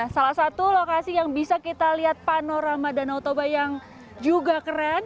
salah satu lokasi yang bisa kita lihat panorama danau toba yang juga keren